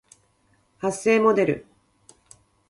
発声モデル